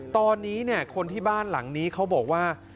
ตอนนี้คนที่บ้านหลังนี้เขาบอกว่า